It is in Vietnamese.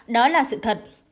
đó là sự thật